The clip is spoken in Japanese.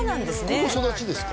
ここ育ちですか？